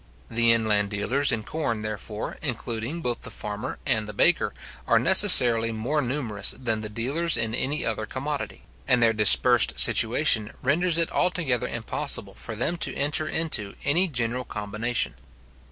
The inland dealers in corn, therefore, including both the farmer and the baker, are necessarily more numerous than the dealers in any other commodity; and their dispersed situation renders it altogether impossible for them to enter into any general combination.